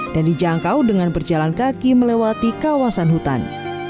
dijangkau dengan berjalan kaki melewati kawasan hutan